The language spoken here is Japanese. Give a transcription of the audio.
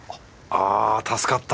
あ助かった！